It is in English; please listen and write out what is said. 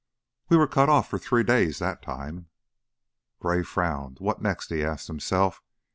"We were cut off for three days that time." Gray frowned. What next? he asked himself.